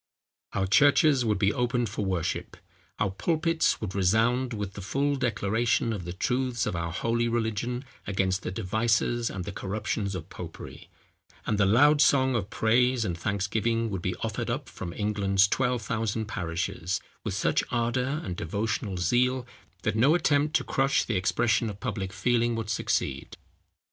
Our churches would be opened for worship; our pulpits would resound with the full declaration of the truths of our holy religion against the devices and the corruptions of popery; and the loud song of praise and thanksgiving would be offered up from England's twelve thousand parishes, with such ardour and devotional zeal, that no attempt to crush the expression of public feeling would succeed.